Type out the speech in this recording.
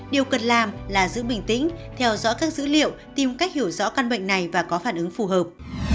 điều cần làm là giữ bình tĩnh theo dõi các dữ liệu tìm cách hiểu rõ căn bệnh này và có phản ứng phù hợp